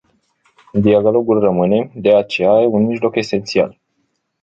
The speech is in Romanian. Dialogul rămâne, de aceea, un mijloc esențial.